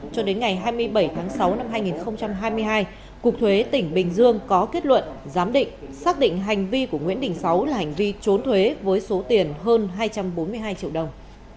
cho đến ngày hai mươi bảy tháng sáu năm hai nghìn hai mươi hai cục thuế tỉnh bình dương có kết luận giám định xác định hành vi của nguyễn đình sáu là hành vi trốn thuế với số tiền hơn hai trăm bốn mươi hai triệu đồng